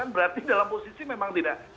berarti dalam posisi memang tidak